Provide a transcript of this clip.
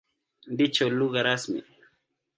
Ndicho lugha rasmi.